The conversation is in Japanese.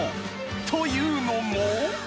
［というのも］